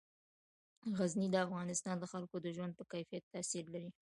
غزني د افغانستان د خلکو د ژوند په کیفیت تاثیر لري.